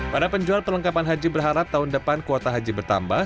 para penjual perlengkapan haji berharap tahun depan kuota haji bertambah